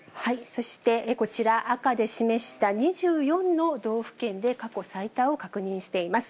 そしてこちら、赤で示した２４の道府県で過去最多を確認しています。